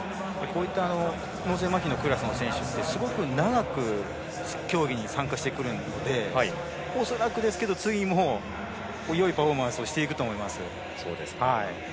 脳性まひのクラスの選手ってすごく長く競技に参加してくるので恐らくですけど次もよいパフォーマンスをしていくと思います。